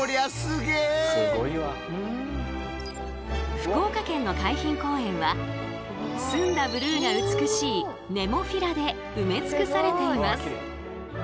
福岡県の海浜公園は澄んだブルーが美しいネモフィラで埋め尽くされています。